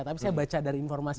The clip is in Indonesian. tapi saya baca dari informasi